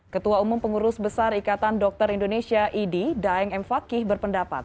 ketua umum pengurus besar ikatan dokter indonesia idi daeng m fakih berpendapat